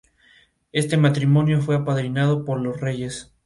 Este matrimonio fue apadrinado por los reyes.